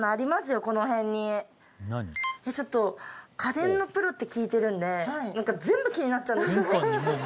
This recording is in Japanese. ちょっと家電のプロって聞いてるんで全部気になっちゃうんです。